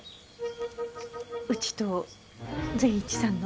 うちと善一さんの。